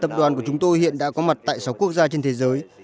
tập đoàn của chúng tôi hiện đã có mặt tại sáu quốc gia trên thế giới